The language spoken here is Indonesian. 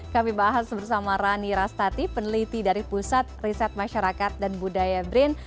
kami bahas bersama rani rastati peneliti dari pusat riset masyarakat dan budaya brin